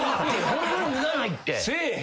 ホンマに脱がないって。